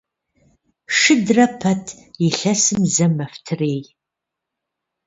Шыдрэ пэт илъэсым зэ мэфтрей.